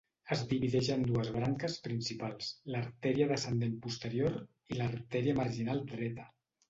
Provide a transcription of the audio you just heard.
Es divideix en dues branques principals; l'artèria descendent posterior i l'artèria marginal dreta.